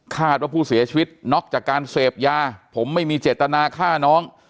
ว่าผู้เสียชีวิตน็อกจากการเสพยาผมไม่มีเจตนาฆ่าน้อง